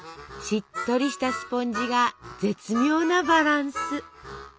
しっとりしたスポンジが絶妙なバランス。